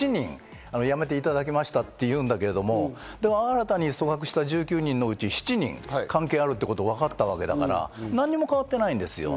やめていただきましたっていうんだけど、でも新たに組閣した１９人のうち７人が関係があるということがわかったわけだから、何も変わってないんですよ。